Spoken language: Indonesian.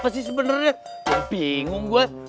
sebenarnya pingung gue